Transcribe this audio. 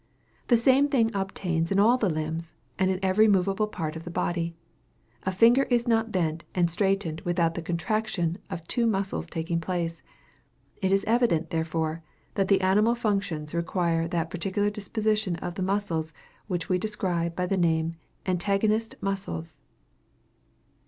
The same thing obtains in all the limbs, and in every moveable part of the body. A finger is not bent and straightened without the contraction of two muscles taking place. It is evident, therefore, that the animal functions require that particular disposition of the muscles which we describe by the name of antagonist muscles."